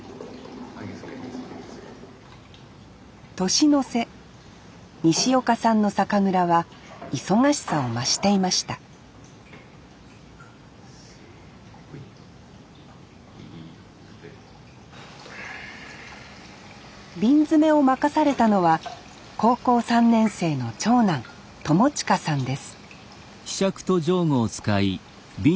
年の瀬西岡さんの酒蔵は忙しさを増していました瓶詰めを任されたのは高校３年生の長男朋慈さんです